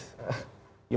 gimana tuh mas arief